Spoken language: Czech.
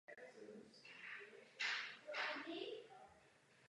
Zemřel v Brně.